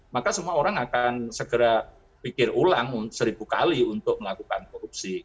maka semua orang akan segera pikir ulang seribu kali untuk melakukan korupsi